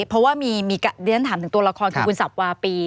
เพราะว่ามีเรียนถามถึงตัวละครคือคุณสับวาปี